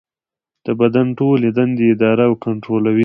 د بدن ټولې دندې اداره او کنټرولېږي.